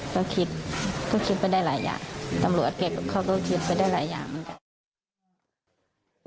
ก็คิดก็คิดไปได้หลายอย่างตำรวจเขาก็คิดไปได้หลายอย่างเหมือนกัน